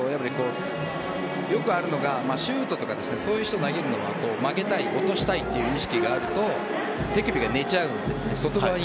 よくあるのがシュートとかそういうのを投げるのは投げたい、落としたいという意識があると手首が寝ちゃうんで外側に。